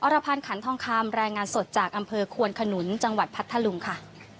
รพันธ์ขันทองคำรายงานสดจากอำเภอควนขนุนจังหวัดพัทธลุงค่ะ